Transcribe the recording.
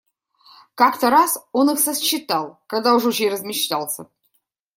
Как-то раз он их сосчитал, когда уж очень размечтался.